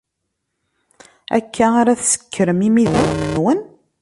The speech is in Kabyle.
Akka ara tsekkrem imidiwen-nwen?